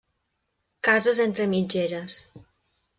Cases entre mitgeres.